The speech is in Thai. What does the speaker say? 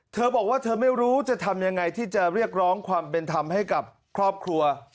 เธอบอกว่าเธอไม่รู้จะทำยังไงที่จะเรียกร้องความเป็นธรรมให้กับครอบครัว